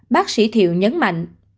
bác sĩ thiệu nhấn mạnh